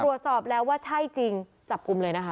ตรวจสอบแล้วว่าใช่จริงจับกลุ่มเลยนะคะ